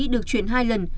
được chuyển hai lần